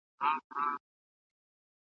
فرعونان مي ډوبوله .